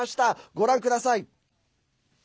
ご覧ください。